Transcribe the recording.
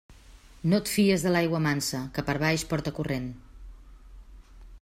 No et fies de l'aigua mansa, que per baix porta corrent.